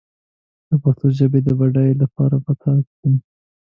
د پښتو ژبې د بډايينې لپاره به کار کوم